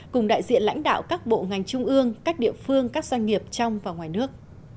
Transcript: cùng đại diện lãnh đạo các bộ ngành trung ương các địa phương các doanh nghiệp trong và ngoài nước